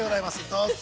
どうぞ。